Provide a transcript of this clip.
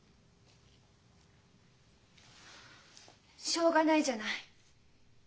しょうがないじゃない。